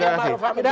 terima kasih bukto